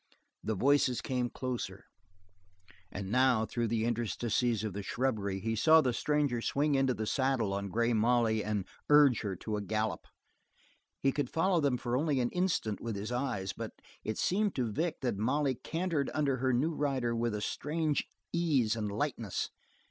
The voices came closer; the crashing burst on his very ears, and now, through the interstices of the shrubbery he saw the stranger swing into the saddle on Grey Molly and urge her to a gallop. He could follow them for only an instant with his eyes, but it seemed to Vic that Molly cantered under her new rider with strange ease and lightness.